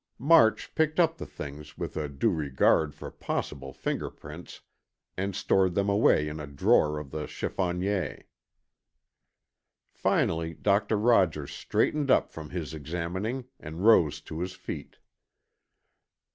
March picked up the things, with a due regard for possible finger prints, and stored them away in a drawer of the chiffonier. Finally, Doctor Rogers straightened up from his examining, and rose to his feet.